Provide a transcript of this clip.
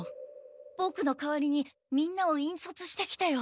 ボクのかわりにみんなを引率してきてよ。